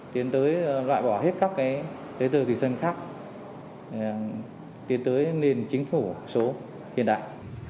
tiến tới loại bỏ hết các tế tờ thủy sân khác tiến tới nền chính phủ số hiện đại